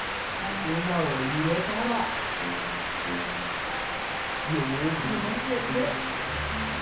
ツナをいれたらよくまぜて。